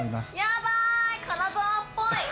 ヤバい金沢っぽい！